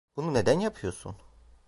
Bunu neden yapıyorsun?